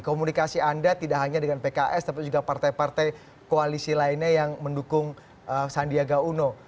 komunikasi anda tidak hanya dengan pks tapi juga partai partai koalisi lainnya yang mendukung sandiaga uno